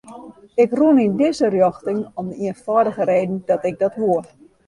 Ik rûn yn dizze rjochting om de ienfâldige reden dat ik dat woe.